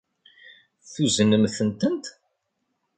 Tuznemt-tent?